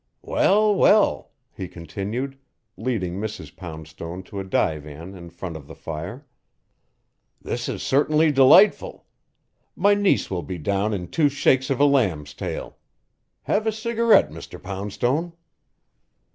"Well, well," he continued, leading Mrs. Poundstone to a divan in front of the fire, "this is certainly delightful. My niece will be down in two shakes of a lamb's tail. Have a cigarette, Mr. Poundstone."